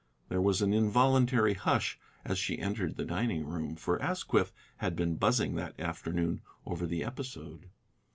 There was an involuntary hush as she entered the dining room, for Asquith had been buzzing that afternoon over the episode.